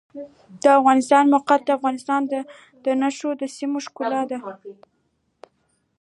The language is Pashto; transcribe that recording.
د افغانستان د موقعیت د افغانستان د شنو سیمو ښکلا ده.